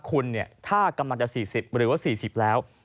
คุณถ้ากำลังจะ๔๐หรือว่า๔๐แล้ว